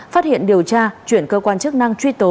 phát hiện điều tra chuyển cơ quan chức năng truy tố